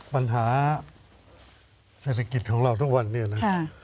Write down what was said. ปัญหาเศรษฐกิจของเราทุกวันนี้นะ